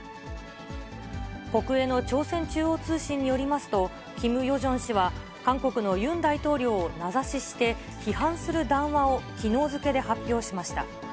国営の朝鮮中央通信によりますと、キム・ヨジョン氏は、韓国のユン大統領を名指しして、批判する談話をきのう付けで発表しました。